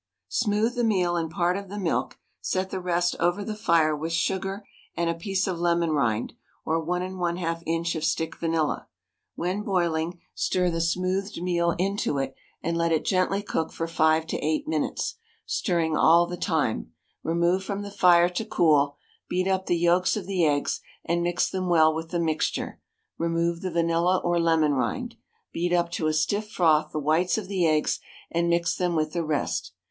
Smooth the meal in part of the milk, set the rest over the fire with sugar and a piece of lemon rind or 1 1/2 inch of stick vanilla; when boiling, stir the smoothed meal into it, and let it gently cook for 5 to 8 minutes, stirring all the time; remove from the fire to cool; beat up the yolks of the eggs, and mix them well with the mixture (remove the vanilla or lemon rind), beat up to a stiff froth the whites of the eggs, and mix them with the rest.